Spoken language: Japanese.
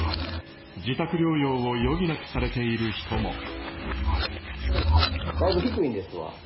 自宅療養を余儀なくされている人も。